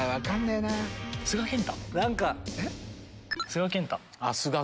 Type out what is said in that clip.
えっ？